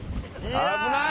危ない！